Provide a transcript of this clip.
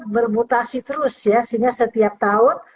bermutasi terus ya sehingga setiap tahun